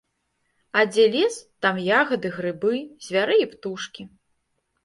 А дзе лес, там ягады, грыбы, звяры і птушкі.